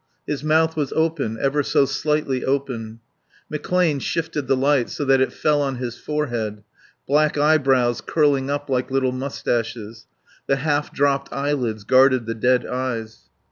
His mouth was open, ever so slightly open ... McClane shifted the light so that it fell on his forehead.... Black eyebrows curling up like little moustaches.... The half dropped eyelids guarded the dead eyes.